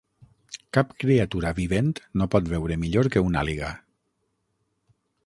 Cap criatura vivent no pot veure millor que una àliga.